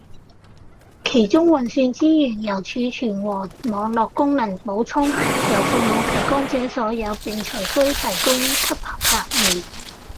其中運算資源由儲存和網路功能補充，由服務提供者所有並隨需提供給客戶